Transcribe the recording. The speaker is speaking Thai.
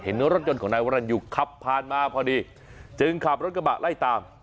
รถยนต์ของนายวรรณยูขับผ่านมาพอดีจึงขับรถกระบะไล่ตาม